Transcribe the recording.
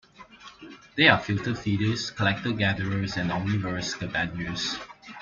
They are filter-feeders, collector-gatherers and omnivorous scavengers.